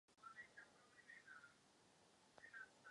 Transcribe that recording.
Symbolika pečeti je častým předmětem konspiračních teorií.